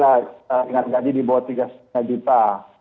dengan gaji di bawah tiga lima juta